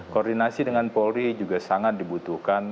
koordinasi dengan polri juga sangat dibutuhkan